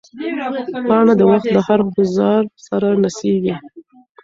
پاڼه د وخت له هر ګوزار سره نڅېږي.